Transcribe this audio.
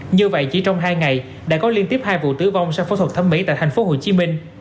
như vậy chỉ trong hai ngày đã có liên tiếp hai vụ tử vong sau phẫu thuật thẩm mỹ tại tp hcm